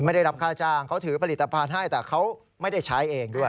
ไม่ได้รับค่าจ้างเขาถือผลิตภัณฑ์ให้แต่เขาไม่ได้ใช้เองด้วย